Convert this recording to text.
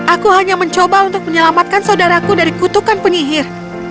aku hanya mencoba untuk menyelamatkan saudaraku dari kutukan penyihir